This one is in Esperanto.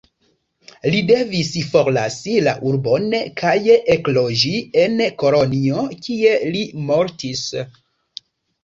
Li devis forlasi la urbon kaj ekloĝi en Kolonjo, kie li mortis.